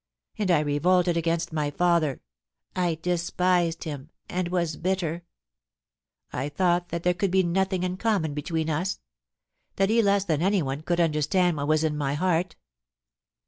And I revolted against my father — I despised him, and was bitter — I thought that there could be nothing in common between us — that he less than anyone could understand what was in my heart.'